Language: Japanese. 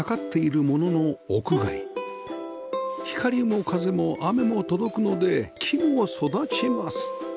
光も風も雨も届くので木も育ちます